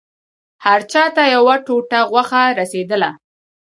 هر چا ته يوه ټوټه غوښه رسېدله.